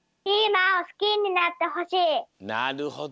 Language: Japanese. なるほど。